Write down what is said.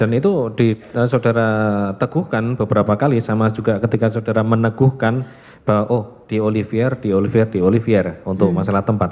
dan itu saudara teguhkan beberapa kali sama juga ketika saudara meneguhkan bahwa oh diolivier diolivier diolivier untuk masalah tempat